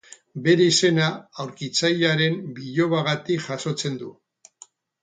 Bere izena aurkitzailearen bilobagatik jasotzen du.